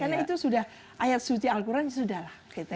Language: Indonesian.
karena itu sudah ayat suci al quran sudah lah